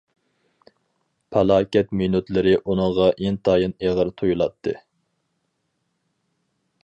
پالاكەت مىنۇتلىرى ئۇنىڭغا ئىنتايىن ئېغىر تۇيۇلاتتى.